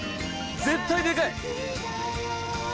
絶対でかい！